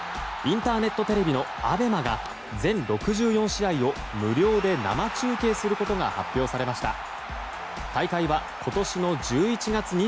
インターネットテレビのＡＢＥＭＡが全６４試合を無料で生中継することが発表されました。